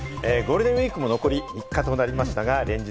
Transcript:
ゴールデンウイークも残り３日となりました。